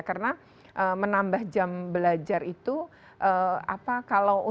karena menambah jam belajar itu apa